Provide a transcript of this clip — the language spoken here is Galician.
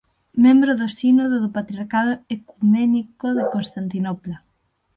Membro do sínodo do Patriarcado ecuménico de Constantinopla.